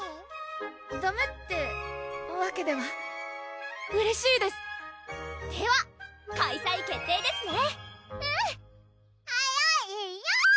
ダメってわけではうれしいですでは開催決定ですねうんえるえるぅ！